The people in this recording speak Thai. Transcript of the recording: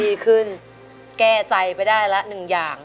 ดีขึ้นแก้ใจไปได้ละหนึ่งอย่าง